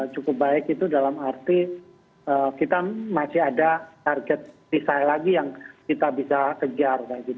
cukup baik itu dalam arti kita masih ada target desain lagi yang kita bisa kejar